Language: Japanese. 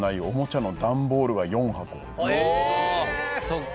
おそっか。